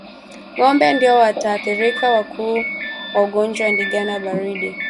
Ngombe ndio waathirika wakuu wa ugonjwa wa ndigana baridi